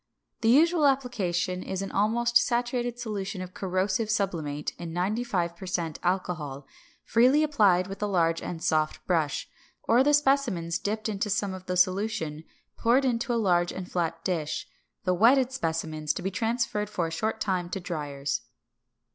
The usual application is an almost saturated solution of corrosive sublimate in 95 per cent alcohol, freely applied with a large and soft brush, or the specimens dipped into some of the solution poured into a large and flat dish; the wetted specimens to be transferred for a short time to driers.